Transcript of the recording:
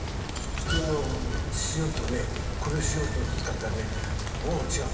普通の塩とね、この塩と使ったらね、もう違う。